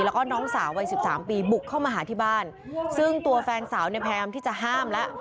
แล้วก็น้องสาววัยสิบสามปีบุกเข้ามาหาที่บ้านซึ่งตัวแฟนสาวเนี่ยพยายามที่จะห้ามแล้ว